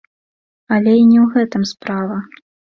Але і не ў гэтым справа.